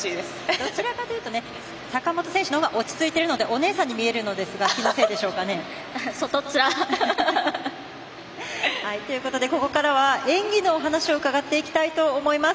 どちらかというと坂本選手のほうが落ち着いてるのでお姉さんに見えるのですが気のせいでしょうかね。ということで、ここからは演技のお話を伺っていきたいと思います。